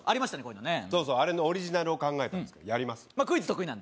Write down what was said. あれのオリジナルを考えたの、やります。